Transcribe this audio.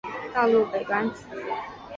道路北端起自。